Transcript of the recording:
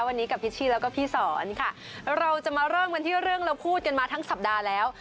วันนี้กับพิชชี่แล้วก็พี่สอนค่ะเราจะมาเริ่มกันที่เรื่องเราพูดกันมาทั้งสัปดาห์แล้ว